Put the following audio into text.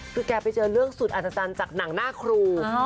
คือแกไปเจอเรื่องสุดอัศจรรย์จากหนังหน้าครู